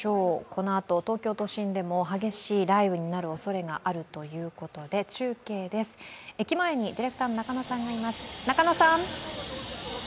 このあと東京都心でも激しい雷雨になるおそれがあるということで中継です、駅前にディレクターの中野さんがいます。